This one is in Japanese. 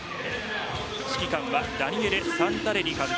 指揮官はダニエレ・サンタレリ監督。